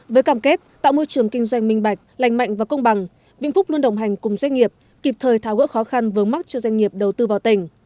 với cảm kết tạo môi trường kinh doanh minh bạch lành mạnh và công bằng vĩnh phúc luôn đồng hành cùng doanh nghiệp kịp thời tháo gỡ khó khăn vướng mắt cho doanh nghiệp đầu tư vào tỉnh